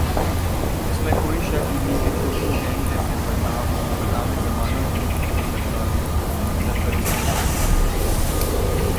اس میں کوئ شک نہیں کہ چھوٹو گینگ جیسے بدنام زمانہ گروپس کو سرکاری سرپرستی حاصل ہے